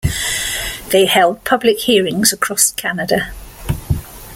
They held public hearings across Canada.